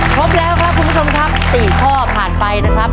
ครับคุณผู้ชมครับสี่ข้อผ่านไปนะครับ